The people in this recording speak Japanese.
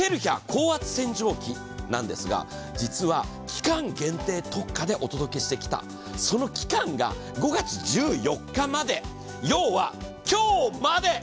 高圧洗浄機なんですが実は期間限定特価でお届けしてきた、その期間が５月１４日まで、要は今日まで。